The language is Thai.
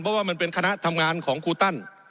เพราะว่ามันเป็นคณะทำงานของครูตั้น